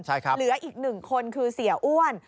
เหลืออีก๑คนคือเสียอ้วน